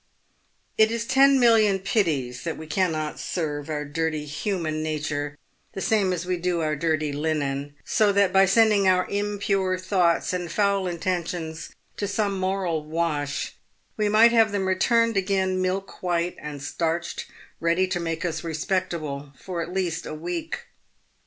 It is ten million pities that we cannot serve our dirty human nature the same as we do our dirty linen, so that by sending our impure thoughts and foul intentions to some moral wash, we might have them returned again milk white and starched ready to make us respectable for at least a week.